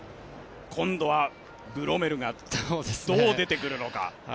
今度はブロメルがどう出てくるのか。